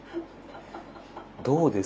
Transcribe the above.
どうです？